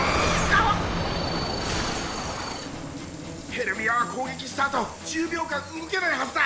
ヘルミアはこうげきしたあと１０秒間動けないはずだ。